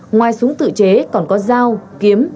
ngoài súng tự chế còn có dao kiếm